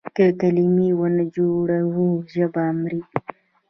که کلمې ونه جوړو ژبه مري.